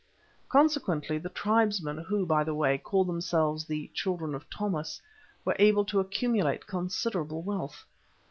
Consequently the tribesmen, who, by the way, called themselves the "Children of Thomas," were able to accumulate considerable wealth.